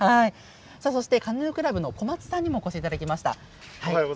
そして、カヌークラブの小松さんにもお越しいただきました。